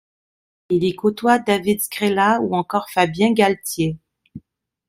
Il y côtoie David Skrela ou encore Fabien Galthié.